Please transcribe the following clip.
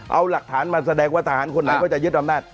เอาหลักฐานมาแสดงว่าทหารคนหน้าก็เย็นรอบนาถ